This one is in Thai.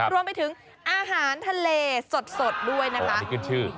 ร่วมไปถึงอาหารทะเลสดด้วยนะครับ